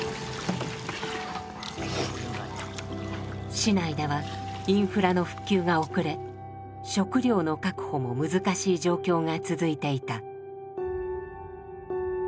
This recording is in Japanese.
市内ではインフラの復旧が遅れ食料の確保も難しい状況が続いていた。